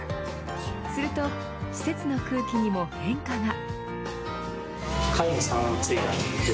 すると施設の空気にも変化が。